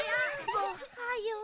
おはよう。